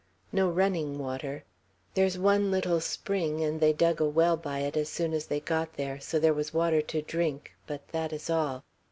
"No running water. There is one little spring, and they dug a well by it as soon as they got there; so there was water to drink, but that is all.